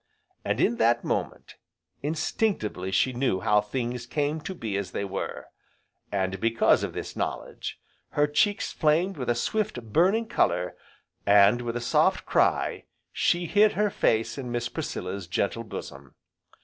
And, in that moment, instinctively she knew how things came to be as they were, and, because of this knowledge, her cheeks flamed with a swift, burning colour, and with a soft cry, she hid her face in Miss Priscilla's gentle bosom.